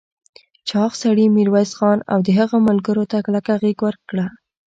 چاغ سړي ميرويس خان او د هغه ملګرو ته کلکه غېږ ورکړه.